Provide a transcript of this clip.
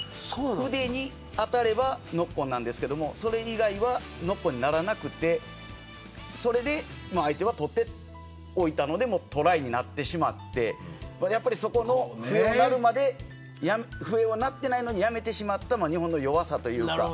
腕に当たればノックオンなんですけどそれ以外はノックオンにならなくてそれで相手は取って置いたのでトライになってしまって笛は鳴ってないのにやめてしまったのが日本の弱さというか。